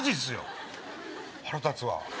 腹立つわ。